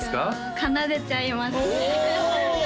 奏でちゃいますねおお！